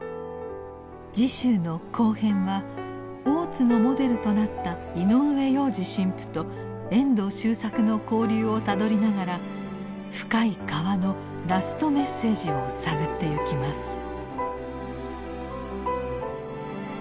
次週の「後編」は大津のモデルとなった井上洋治神父と遠藤周作の交流をたどりながら「深い河」のラスト・メッセージを探ってゆきます。